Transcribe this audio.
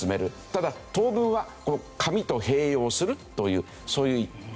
ただ当分は紙と併用するというそういう状態ですね。